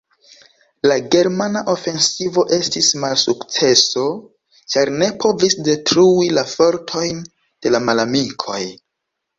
La germana ofensivo estis malsukceso, ĉar ne povis detrui la fortojn de la malamikoj.